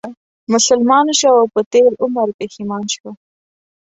مسلمان شو او په تېر عمر پښېمان شو